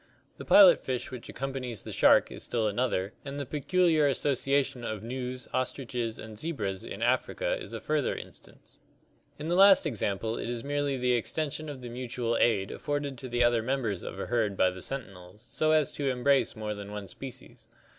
The pilot fish which accompanies the shark is still another and the peculiar association of gnus, ostriches, and zebras in Africa is a fur thcr instance. ^ In the last cx ample it is merely the ex tension of the mutual aid af forded to the other members of a herd by the ' sentinels so as to embrace more than one spe cies.